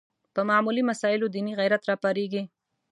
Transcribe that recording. په معمولي مسایلو دیني غیرت راپارېږي